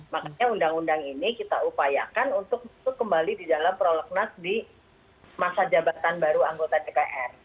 makanya undang undang ini kita upayakan untuk masuk kembali di dalam prolegnas di masa jabatan baru anggota dpr